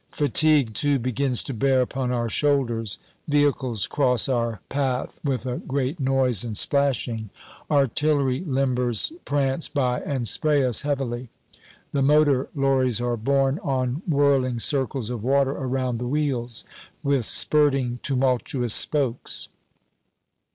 Fatigue, too, begins to bear upon our shoulders. Vehicles cross our path with a great noise and splashing. Artillery limbers prance by and spray us heavily. The motor lorries are borne on whirling circles of water around the wheels, with spirting tumultuous spokes.